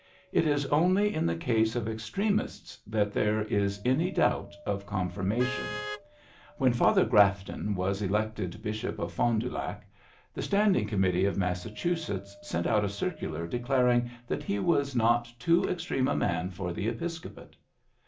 It is only in the case of extremists that there is any doubt of confirmation. When Father 98 PHILLIPS BEOOKS Grafton was elected bishop of Fond du Lac, the standing committee of Massa chusetts sent out a circular declaring that he was not too extreme a man for the episcopate.